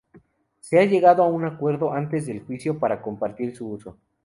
Se ha llegado a un acuerdo antes del juicio para compartir su uso.